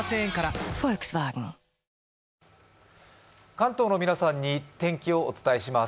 関東の皆さんに天気をお伝えします。